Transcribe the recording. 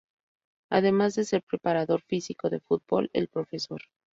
Además de ser Preparador Físico de Fútbol, el Prof.